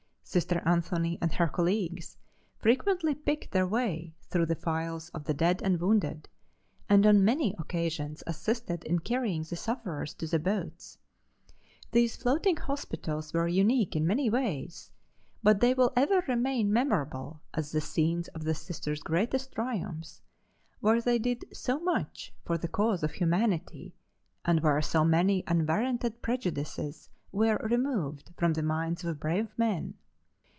Sister Anthony and her colleagues frequently picked their way through the files of the dead and wounded, and on many occasions assisted in carrying the sufferers to the boats. These floating hospitals were unique in many ways, but they will ever remain memorable as the scenes of the Sisters' greatest triumphs, where they did so much for the cause of humanity and where so many unwarranted prejudices were removed from the minds of brave men.